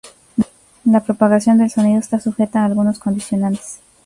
La propagación del sonido está sujeta a algunos condicionantes.